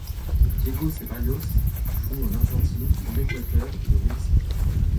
Diego Ceballos joue en Argentine, en Équateur, et au Mexique.